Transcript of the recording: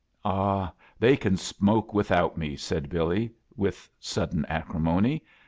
"Ah, they can smoke without me," said Billy, with sodden acrimony.